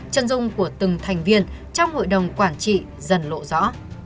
chân dung của từng thành viên trong hội đồng quản trị dần lộ rõ